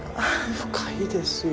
深いですよ。